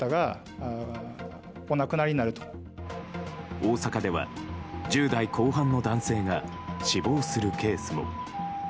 大阪では１０代後半の男性が死亡するケースも。